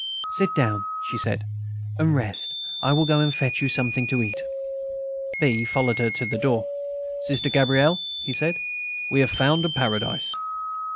"Sit down," she said, "and rest. I will go and fetch you something to eat." B. followed her to the door. "Sister Gabrielle," he said, "we have found a Paradise."